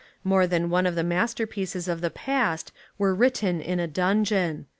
More than one of the masterpieces of the past were writ ten in a dungeon.